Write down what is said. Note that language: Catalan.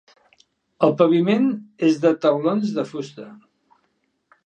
El paviment és de taulons de fusta.